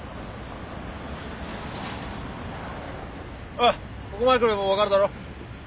ほらここまで来れば分かるだろ。